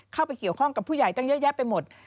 เข้าไปเกี่ยวข้องกับผู้ใหญ่ตั้งเยอะแยะไปหมด